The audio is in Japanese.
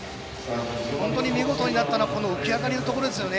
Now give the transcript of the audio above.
見事になったのは浮き上がりのところですね。